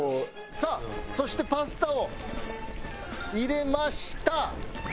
さあそしてパスタを入れました。